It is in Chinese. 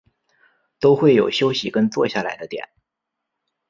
都会有休息跟坐下来的点